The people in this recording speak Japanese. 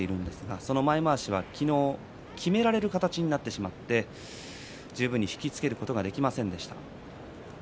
その左の前まわし昨日はきめられる形になってしまって引き付けることができませんでした。